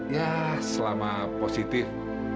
ya selama positif